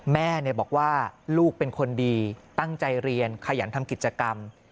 แม่บอกว่าลูกเป็นคนดีตั้งใจเรียนขยันทำกิจกรรม